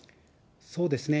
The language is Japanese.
そうですね。